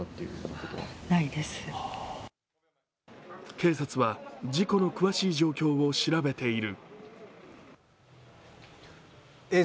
警察は事故の詳しい状況を調べている。